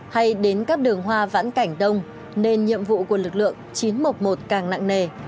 hay đến các đường hoa vãn cảnh đông nên nhiệm vụ của lực lượng chín trăm một mươi một càng nặng nề